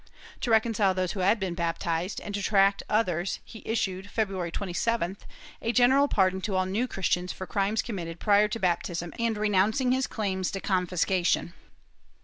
To reconcile those who had been baptized and to attract others he issued, February 27th, a general pardon to all New Christians for crimes committed prior to baptism and renouncing his claims to confiscation.